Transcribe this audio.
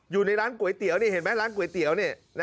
อยู่ในร้านก๋วยเตี๋ยวนี่เห็นไหมร้านก๋วยเตี๋ยวนี่